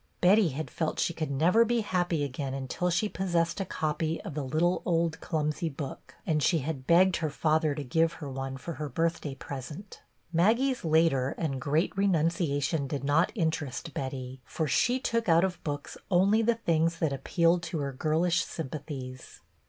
Betty had felt she could never be happy again until she possessed a copy of " the little old clumsy book," and she had begged her father to give her one for her birthday present. Maggie's later and great renunciation did not interest Betty, for she took out of books only the things that ap pealed to her girlish sympathies.